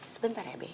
sebentar ya bi